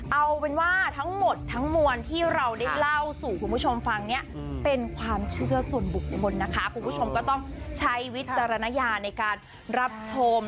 เอาเป็นว่าทั้งหมดทั้งมวลที่เราได้เล่าสู่คุณผู้ชมฟังเนี่ยเป็นความเชื่อส่วนบุคคลนะคะคุณผู้ชมก็ต้องใช้วิจารณญาในการรับชม